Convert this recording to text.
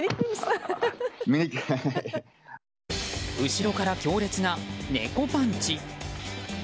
後ろから強烈なネコパンチ。